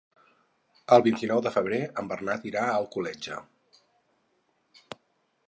El vint-i-nou de febrer en Bernat irà a Alcoletge.